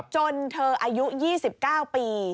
จนเธออายุ๒๙ปี